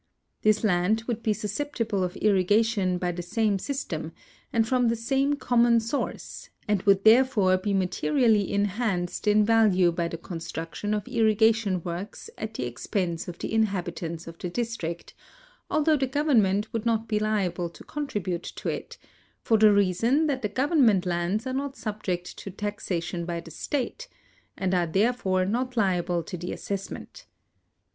This land would be susceptible of irrigation by the same system and from the same connnon source, and would therefore be materially enhanced in value by the construction of irriga tion works at the ex])ense of the inhabitants of the district, al though the government would not be liable to contribute to it, for the reason that the government lands are not subject to tax ation by the state, and are therefore not liable to the assessment.